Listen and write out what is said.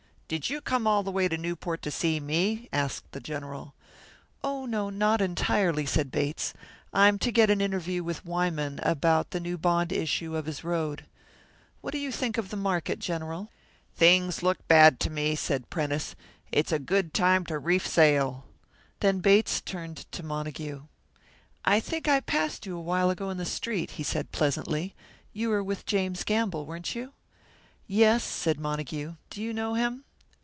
"Did you come all the way to Newport to see me?" asked the General. "Oh, no, not entirely," said Bates. "I'm to get an interview with Wyman about the new bond issue of his road. What do you think of the market, General?" "Things look bad to me," said Prentice. "It's a good time to reef sail." Then Bates turned to Montague. "I think I passed you a while ago in the street," he said pleasantly. "You were with James Gamble, weren't you?" "Yes," said Montague. "Do you know him?"